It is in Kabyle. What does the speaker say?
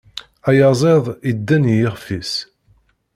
Ayaziḍ idden i yixf-is.